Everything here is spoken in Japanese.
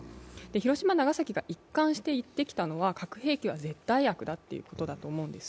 広島・長崎が一貫して言ってきたのは核兵器は絶対悪だということだと思うんです。